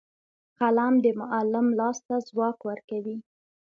قلم د معلم لاس ته ځواک ورکوي